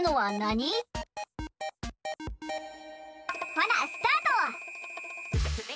ほなスタート！